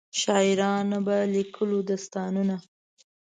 شاعرانو به لیکلو داستانونه.